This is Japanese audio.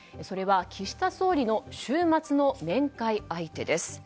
岸田総理の週末の面会相手です。